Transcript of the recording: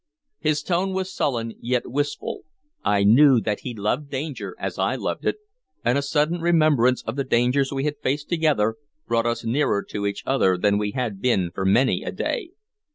His tone was sullen, yet wistful. I knew that he loved danger as I loved it, and a sudden remembrance of the dangers we had faced together brought us nearer to each other than we had been for many a day.